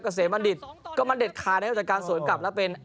เกษมบัณฑิตก็มันเด็ดขาดนะครับจากการสวนกลับแล้วเป็น